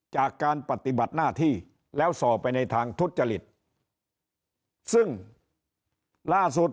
จากการปฏิบัติหน้าที่แล้วส่อไปในทางทุจริตซึ่งล่าสุด